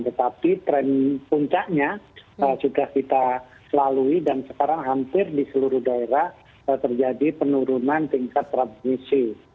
tetapi tren puncaknya sudah kita lalui dan sekarang hampir di seluruh daerah terjadi penurunan tingkat transmisi